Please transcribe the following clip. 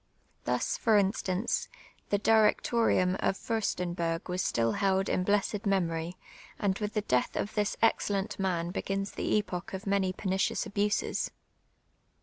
Thus, for instance, the D'trec torium of Fiirstenberg was still held in blessed memorv, and with the death of this excellent man begins the epoch of many peniicious abuses.